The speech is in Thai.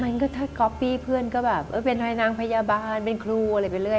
มันก็ถ้าก๊อปปี้เพื่อนก็แบบเออเป็นให้นางพยาบาลเป็นครูอะไรไปเรื่อย